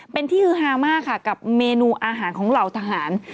เป็นที่ฮือฮามากค่ะกับเมนูอาหารของเหล่าทหาร